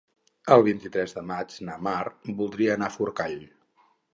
El vint-i-tres de maig na Mar voldria anar a Forcall.